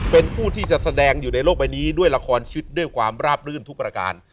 เป็นผู้ที่จะแสดงอยู่ในโลกใบนี้ด้วยละครชีวิตด้วยความราบรื่นทุกประการ